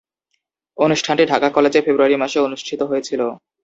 অনুষ্ঠানটি ঢাকা কলেজে ফেব্রুয়ারি মাসে অনুষ্ঠিত হয়েছিলো।